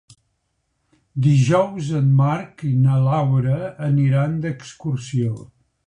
Dijous en Marc i na Laura aniran d'excursió.